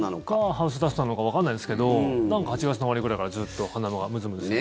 ハウスダストなのかわからないですけどなんか８月の終わりくらいからずっと鼻がムズムズして。